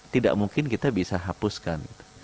tidak mungkin kita bisa hapuskan